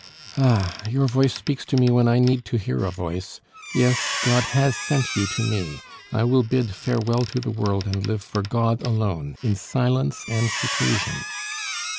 "Ah! your voice speaks to me when I need to hear a voice. Yes, God has sent you to me; I will bid farewell to the world and live for God alone, in silence and seclusion."